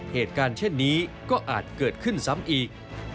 เหตุการณ์เช่นนี้ก็อาจเกิดขึ้นซ้ำอีก